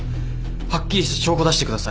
はっきりした証拠出してください。